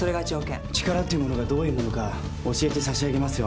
力っていうものがどういうものか教えて差し上げますよ